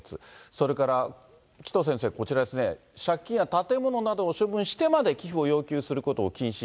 それから紀藤先生、こちらですね、借金や建物などを処分してまで寄付を要求することを禁止。